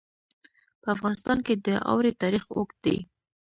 په افغانستان کې د اوړي تاریخ اوږد دی.